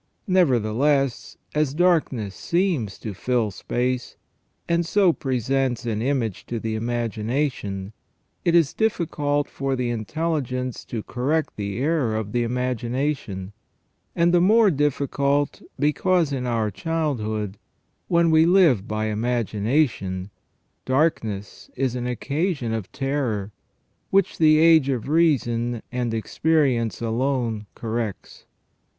Nevertheless, as darkness seems to fill space, and so presents an image to the imagination, it is difficult for the intelligence to correct the error of the imagination, and the more difficult because in our childhood, when we live by imagination, darkness is an occasion of terror, which the age of reason and experience alone corrects.